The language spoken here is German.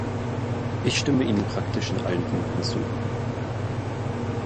Ich stimme Ihnen praktisch in allen Punkten zu.